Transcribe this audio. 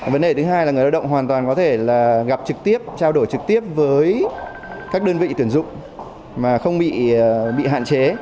vấn đề thứ hai là người lao động hoàn toàn có thể là gặp trực tiếp trao đổi trực tiếp với các đơn vị tuyển dụng mà không bị hạn chế